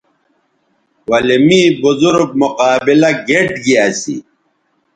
ولے می بزرگ مقابلہ گیئٹ گی اسی